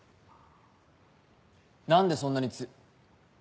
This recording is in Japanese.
何でそんなに強。